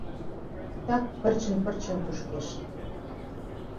Так, пырчын-пырчын кушкеш.